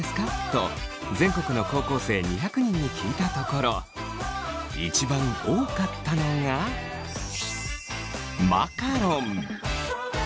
と全国の高校生２００人に聞いたところ一番多かったのがマカロン！